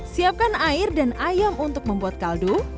siapkan air dan ayam untuk membuat kaldu